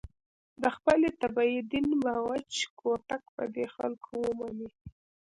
د خپلې طبعې دین به په وچ کوتک په دې خلکو ومني.